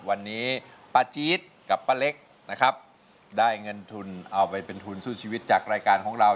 วันนี้ป้าจี๊ดกับป้าเล็กนะครับได้เงินทุนเอาไปเป็นทุนสู้ชีวิตจากรายการของเรา